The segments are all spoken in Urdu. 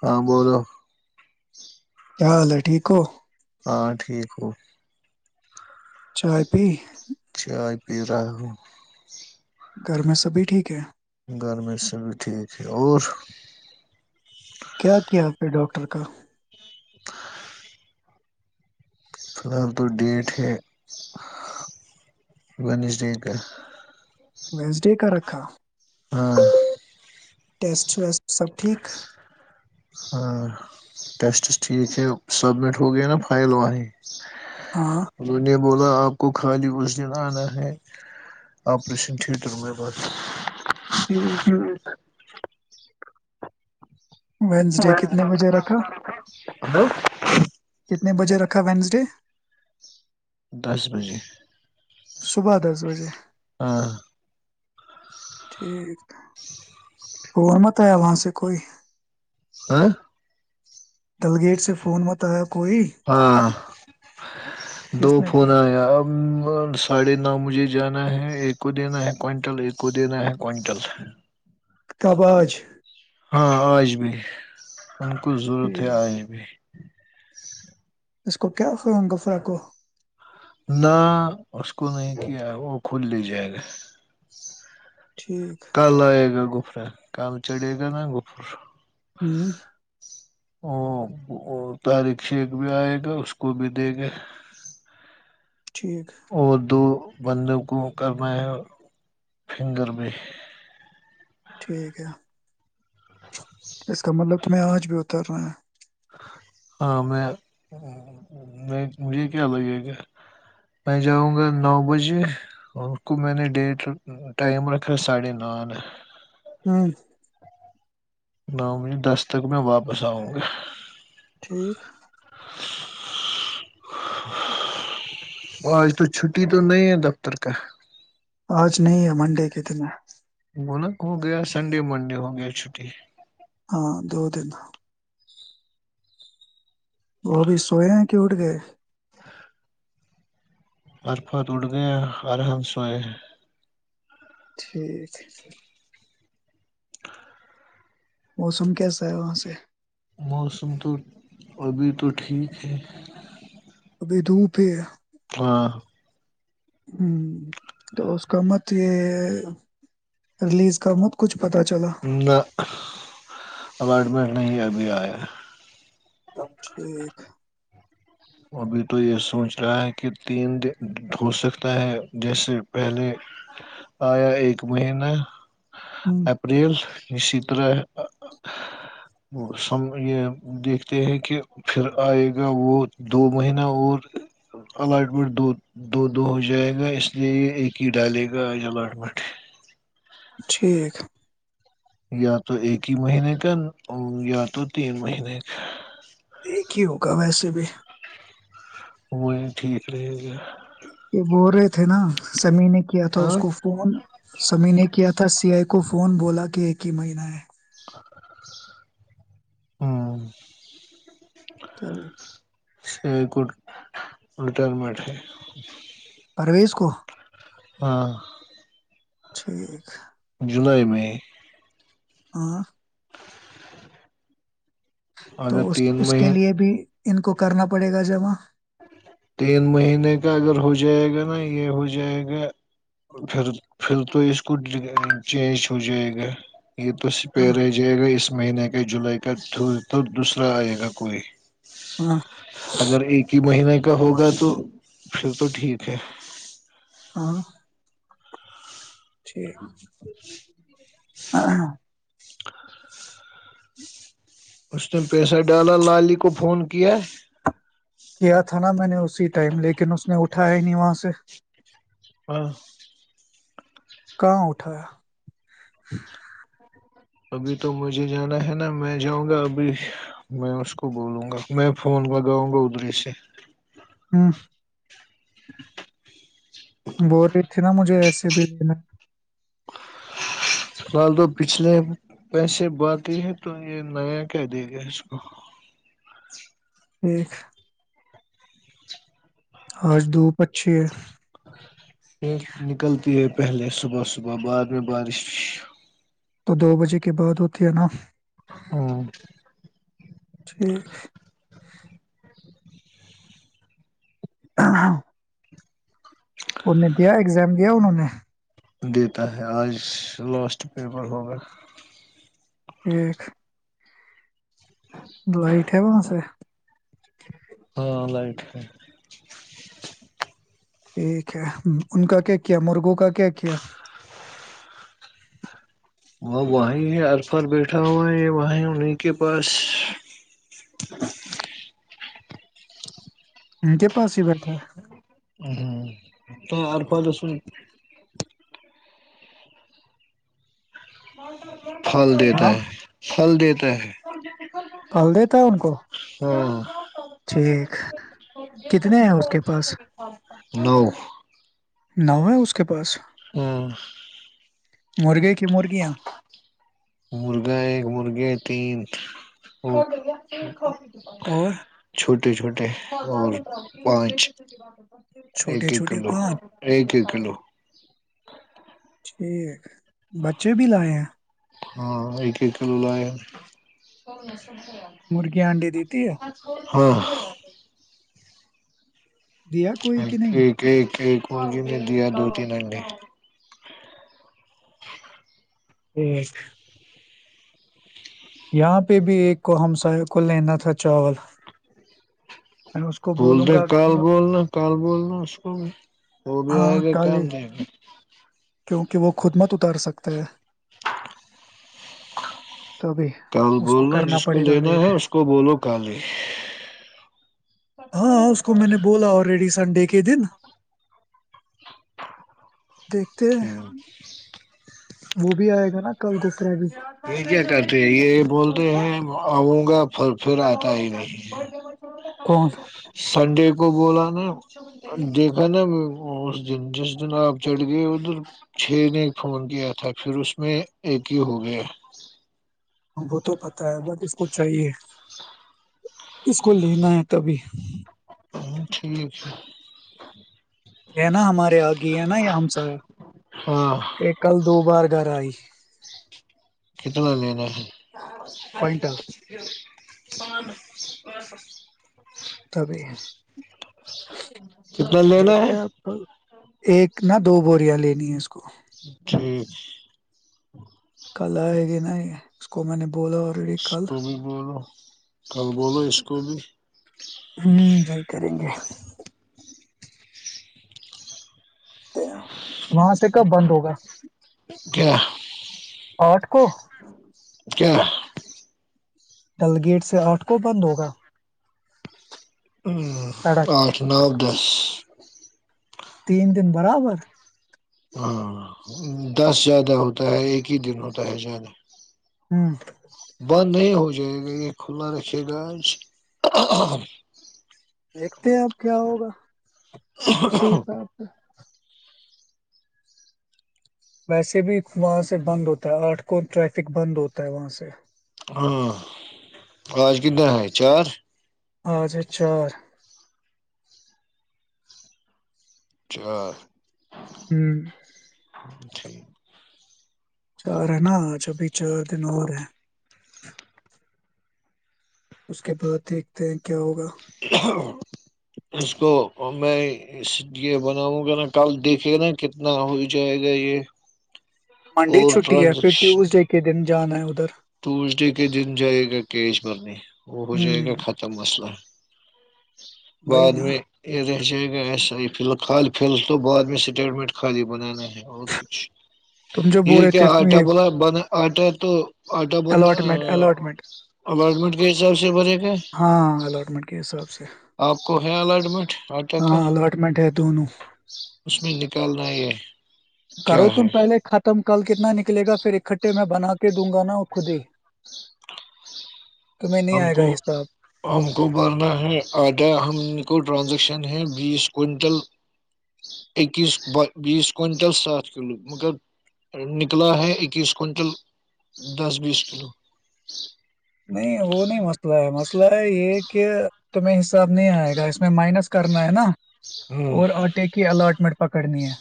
ہاں بولو کیا حال ہے ٹھیک ہو ہاں ٹھیک گ چائے پی چائے پی رہا ہوں گھر میں سبھی ٹھیک ہے گھر میں سے بھی ٹھیک ہے اور کیا کیا پھر ڈاکٹر افرقہ [inaudible] فی الحال تو ڈیٹ ہے ونیس ڈی کا ویزڈے کا رکھا ہاں ٹیسٹ ویسٹ سب ٹھیک ہاں ٹیسٹس ٹھیک ہے سبمٹ ہو گیا نا فائل وہیں ہاں ل نے بولا آپ آب کو خالی اس دن آنا ہے آپریشن تٹھیٹر میں بس ٹھیک ہوں وینسڈے کتنے بجے رکھا کتنے بجے رکھا وینسڈے دس بجے صبح دس بجے ہاں ٹھیک ہے ف مت آیا وہاں سے کوئی ہاں ڈلگیٹ سے فون متایا ہاں کس دو نے فون کیا ساڑھے نہ مجھے جانا ہے ایک کو دینا ہے کوئنٹل ایک کو دینا ہے کوئنٹل اقتباج ہاں آج بھی ہم کو ضرورت ہے ٹھیک آج بھی [inaudible] اس کو کیا خاوں گفا کو نہ اس کو نہیں کیا وہ کھول لییے جد ٹھیک [unintelligible] کل آئے گا گ [unintelligible] گفا کم چڑے گ نا گوفر ہوں ا طارق شخ بھی آئے گا اس کو بھی دے گے ٹھیک وہ دو [unintelligible] بندوں کو کرنا ہے فنگر بھی ٹھیک ہے اس کا مطلب تمہیں آج بھی اتر رہا ہے ہاں میں مجھے کیا لگے گا میں جاؤں گا نو بجے ان کو میں نے ڈیٹ ٹائم رکھا ہے ساڑھے نو نے ہاں [unintelligible] نوویں دس تک میں واپس آؤوں گا ٹھیک [unintelligible] آج تو چھٹی تو نہیں ہے دفتر کا آج نہیں ہے منڈے کے دن گونک ہو گیا سنڈے منڈے ہو گیا چھٹی ہاں دو دن وہ ابھی سوئے ہیں کہ اٹھ گئے عرفت اٹ گیا الرحم سوئے ٹھیک ہے موسم کیسا ہے وہاں سے موسم تو ابھی تو ٹھیک ہے ب دھوپ ہے و [unintelligible] ہ تو اس کا مت یہ ریلیز کا مت کچھ پتا چلا نہ اپارٹمٹ نہیں ابھی آئے [unintelligible] اب ٹھیک ابھی تو یہ سوچ رہا ہے کہ تین دن ہو سکتا ہے جیسے پہلے آیا ایک مہینہ ہوں، اپریل اسی طرح س یہ دیکھتے ہیں کہ پھر آئے گا وہ دو مہینہ اور الاٹمنٹ دو دو دو ہو جائے گا اس لیے ایک ہی ڈالے گا آج اللاٹمنٹ ٹھیک ہے یا تو ایک ہی مہینے کا یا تو تین مہینے کا ایک ہی ہوگا ویسے ت بھیھی وہی ٹھیک رہے گا یہ بول رہے تھے نا سمی نے کیا تھا اس ہاں کو فون سمی نے کیا تھا سی آئی کو فون بولا کہ ایک ہی مہینہ ہے ہوں تب [unintelligible] رٹائرمٹ ہے پرویز کو ہاں ٹھیک جولائی مئی ہاں تو اگر تین اس کے مہینے لیئے بھی ان کو کرنا پڑے گا جمع تین مہینے کا اگر ہو جائے گا نا یہ ہو جائے گا پھر پھر تو اس کو چینج ہو جائے گا یہ تو سپ ہاں رہ جائے گا اس مہینے کے جولائی کا دول تو دوسرا آئے گا کوئی ہاں اگر ایک مہینے کا ہوگا تو پھر تو ٹھیک ہے ہاں ٹھیک ا ہاں اس نے پیسہ ڈالا لالی کو فون کیا تھا نا میں نے اسی ٹائم لیکن اس نے اٹھایا ہی نہیں وہاں سے ہاں کہاں اٹھایا ابھی تو مجھے جانا ہے نا میں جاؤں گا ابھی میں اس کو بولوں گا میں فون مگاؤں گا ادھرری سے ہ ب رہی تھی نا مجھے ایسے بھی دینا فی الال تو پچھلے پیسے باقی ہے تو یہ نیا کیا دے گا اس کو ایکیک آج دھوپ اچھی ہے پھی نکلتی ہے پہلے صبح صبح بعد میں بارش تو دو بجے کے بعد ہوتی ہے نا ہاں ٹھیک ہاںاں گیا اننوں نے دیتا ہے آج لاسٹ پیپر ہوگا ایک لائیٹ ہے وہاں سے [inaudible] ہاں لائٹ ہے ٹھیک ہے ان کا کیا کیا مرغوں کا کیا کیا وہ وہیں ہے ارفر بیٹھا ہوا ہے وہیں انہیں کے پاس ہ کیا پاؤ سی ب اھا ہ ہ تو اور پل سن بہت بہ پھل دیتا ہاں ہے پھل دیتا [inaudible] پال دیتا ہے ان کو ہاں ٹھیک کتنے ہیں اس کے پاس نو نو ہے اس کے پاس ہوں مرغے کی مرغیاں مرغا ایک مرغے تین کو خ اور چھٹی چھٹے چھوٹے اور پانچ ایک چھوٹے ایک چھوٹے کلو پان ایک ایک کلو ٹھیک بچے بھی لائے ہیں ہاں ایک ایک کلو ل ہے مرغیاں آانڈی دیتی ہے ہاں دیا کوئی کہ نہیں ایک ایک ایک مرگی نے دیا دو تین انڈے ہٹ یہاں پہ بھی ایک کو ہمساوں کو لینا تھا چاول میں اس کو بول بولوں د گا کال بولنا کال بولنا اسکو ہے وہ بھی آئے ہاں گے کل کام دیں گے کیونکہ وہ خود مت اتار سکتے ہے تبھی کل اس کو بولنا کرنا جس کو پڑے گا لینا ہے ویٹ اس کو بولو کل ہی ہاں ہاں اس کو میں نے بولا اور ریڈی سے سنڈے کے دن دیکھتے ٹھ ہیں وہ بھی آئے گا نا کل دوسرا بھی یہ کیا کرتے ہیں یہ بولتے ہیں آؤں گا پھر پھر آتا ہی نہیں ہے کون سنڈے کو بولا نا دیکھا نا اس دن جس دن آپ چڑھ گئے ادھر چھ نے فون کیا تھا پھر اس میں ایک کی ہو گیا وہ تو پت ہے بٹ اس کو چاہیے اس کو لینا ہے تبھی ہ ٹھیک ہے ہے نا ہمارے گ ہے نا م سا ہاں کل دو بار ڈر آئی کتنا لینینا ہے کوئنٹل بد تبھی کتنا لینا ہے نا دو بوریاں لینی ہے اس کو ٹھیک کل آئے گی نہیں اس کو میں نے بولا آلریڈی کل اسک بھی بولو کل بولو اسک بھی ہوں وہی کریں گے وہاں سے کب بند ہوگا کیا آٹھ کو کیا ڈل گیٹ سے آٹھ کو بند ہوگا سڑک آٹھ نو دس تین دن برابر ہاں دس زیادہ ہوتا ہے ایک ہی دن ہوتا ہے زیادہ ہوں بند نہیں ہو جائے گا یہ کھلا رکے گا آج ج ستے ہیں آپ کیا ہوگا اسی حساب سے ویسے بھی وہاں سے بند ہوتا ہے آٹھ کو ٹریفک بند ہوتا ہے وہاں سے ہاں آج کدنا ہے چار آج ہے چار چار ہوں ٹھیک [unintelligible] چار ہے ناھ پ چار دن اور ہے [unintelligible] [inaudible] اس کے بعد دیکھتے ہیں [unintelligible] اس کو [unintelligible] اور میں اس یہ بناؤں گا نا کل دیکھے نا کتنا ہو جائے گا یہ [unintelligible] منڈے اور چھٹی ہے پھر ٹیوزڈے کے دن [unintelligible] جانا ہے ادھر [unintelligible] ٹوزڈے کے دن جائے گا کیش برنے وہ ہو جائے گا ہوں ختم مسئلہ وہی بعد نا میں یہ رہ جائے گا ایسا ہی فی ال خال فی ال تو بعد میں اسٹیٹمنٹ خالی بنانا ہے اور کچھ تم جو [unintelligible] یہ بول رہے کیا تھے آٹا یہ بلا بنا اورٹر تو [unintelligible] آٹا الاٹمنٹ الاٹمنٹ بندارٹمٹ [unintelligible] یہ سب سے بڑے [unintelligible] ہاں اللاٹمنٹ کے حساب سے آپ کو ہے اللاٹمنٹ [unintelligible] فٹ کا ہے ہاں الاٹمنٹ ہے دونوں اس میں نکالنا یہ [unintelligible] کیا کرو تم ہے پہلے ختم کل کتنا نکلے گا پھر اکٹھا ے میں بنا کے دوں گا نا اور خود ہی [unintelligible] نہیں ہم آئے گا کو حساب ہم کو مارنا ہے آدا ہم [unintelligible] کو ٹرانزیکشن ہے بیس کوئنٹل اکیس بیس کوئنٹل سات کلو مگر نکلا ہے اکیس کوئنٹل دس بیس کلو [unintelligible] نہیں وہ نہیں مسئلہ ہے مسئلہ ہے یہ کہ تمہیں حساب نہیں آئے گا اس میں مائنس کرنا ہے نا [unintelligible] ہوں اور آٹے کی اللاٹمنٹ پکڑنی ہے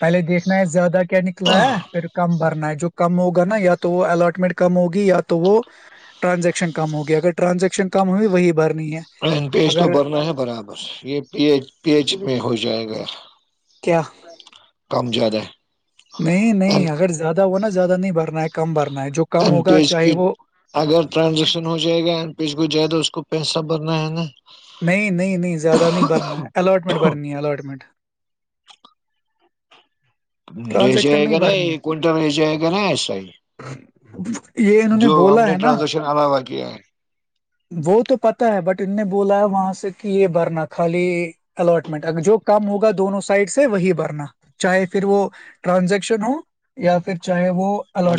پہلے دیکھنا ہے زیادہ [unintelligible] کیا نکلا ہے پھر کام برنا ہے جو [unintelligible] کم ہوگا نا یا تو وہ الاٹمنٹ کم ہوگی یا تو وہ [unintelligible] ٹانزیکشن کم ہوگیا اگر ٹرانزیکشن کم ہوئی وہی بار ا پی ایچ تو بھرنا ہے برابر یہ پی پی ایچ میں ہو جائے گا کیا [unintelligible] کم زیاد ہے [unintelligible] نہیں نہیں اگر زیادہ ہونا زیادہ نہیں بھرنا ہے کم برنا [unintelligible] ا پیج کی اگر ٹرانزیکشن ہو جائے گا ا پیج کو جیادہ اس کو پیسہ بھرنا ہے نا نہیں نہیں نہیں زیادہ نہیں بھرنا ہے اللاٹمنٹ برنی ہے اللاٹمنٹ رچے ٹرانزیکشن ہے گ نہیں بھرنی ہے کنٹل وچے ہے کہ نہیں صی ج [unintelligible] جو ہم نے ٹرانزیکشن علاوہ کیا ہے وہ تو پتا ہے بٹ ان نے بولا ہے وہاں سے کہ یہ بھرنا خالی اٹمنٹ اگر جو کم ہوگا دونوں سائڈ سے وہی بھرنا چاہے پھر وہ ٹرانزیکشن ہو یا پھر چاہے وہ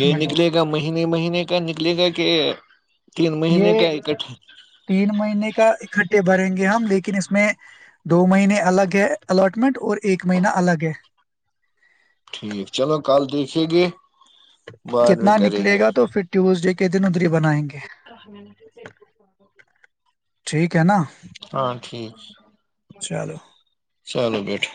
یہ ہو نکلے گا مہین مہینے کا نکلے گا کہ تین مہینے یہ کا اکٹھ تین مہینے کا اکٹھے بھریں گے ہم لیکن اس میں دو مہینے الگ ہے الٹمنٹ اور ایک مہینہ الگ ہے ٹھیک چلو کل دیکھیے گے بعد کتنا کریں نکلے گے گا تو پھر ٹیوزڈے کے ک دن ہی بنائیں گے کہ میں [unintelligible] ٹھیک [inaudible] کیانا ہاں ٹھیک چلو چلو بیٹھو